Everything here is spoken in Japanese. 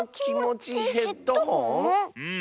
うん。